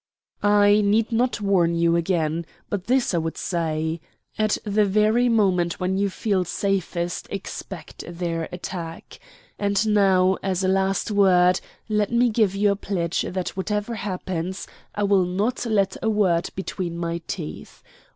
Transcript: "I need not warn you again. But this I would say: At the very moment when you feel safest expect their attack. And now, as a last word, let me give you a pledge that whatever happens I will not let a word between my teeth.